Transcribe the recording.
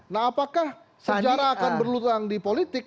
nah apakah sejarah akan berlutang di politik